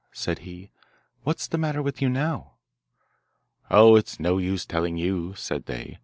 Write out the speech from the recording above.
said he. 'What's the matter with you now?' 'Oh, it's no use telling you,' said they.